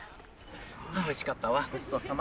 おいしかったわごちそうさま。